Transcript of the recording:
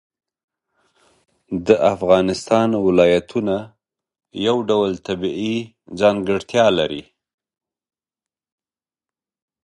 د افغانستان ولایتونه یو ډول طبیعي ځانګړتیا ده.